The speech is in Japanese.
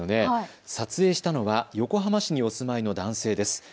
撮影したのは横浜市にお住まいの男性です。